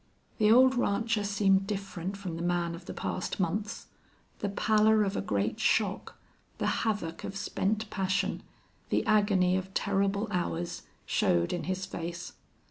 The old rancher seemed different from the man of the past months. The pallor of a great shock, the havoc of spent passion, the agony of terrible hours, showed in his face.